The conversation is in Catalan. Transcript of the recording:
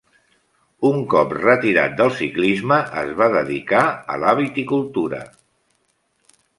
Un cop retirat del ciclisme, es va dedicar a la viticultura.